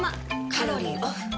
カロリーオフ。